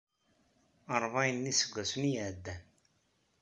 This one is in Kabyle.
Ṛebɛin n yiseggasen ay iɛeddan.